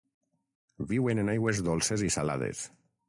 Viuen en aigües dolces i salades.